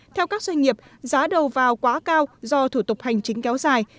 theo các doanh nghiệp giá đầu vào quá cao do thủ tục hành chính kéo dài